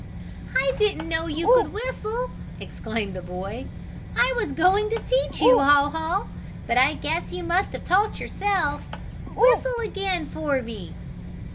"I didn't know you could whistle!" exclaimed the boy. "I was going to teach you, Haw Haw, but I guess you must have taught yourself. Whistle again for me!"